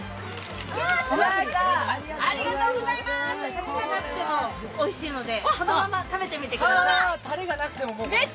たれがなくてもおいしいので、このまま食べてみてください。